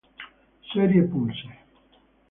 Serie Pulse.